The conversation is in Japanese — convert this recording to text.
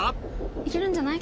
いけるんじゃない？